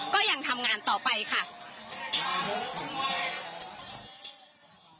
ก็ยังทำงานต่อไปค่ะ